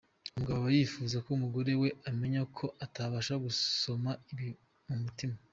Umugabo aba yifuza ko umugore we amenya ko atabasha gusoma ibiri mu mutima.